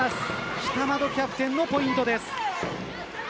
北窓キャプテンのポイントです。